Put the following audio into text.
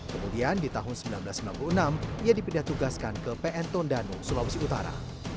kemudian di tahun seribu sembilan ratus sembilan puluh enam ia dipindah tugaskan ke pn tondano sulawesi utara